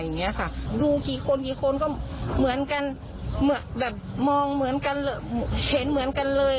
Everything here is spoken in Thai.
อย่างนี้ค่ะดูกี่คนกี่คนก็เหมือนกันเหมือนแบบมองเหมือนกันเห็นเหมือนกันเลย